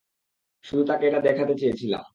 শুধু তাকে এটা দেখাতে চেয়েছিলাম।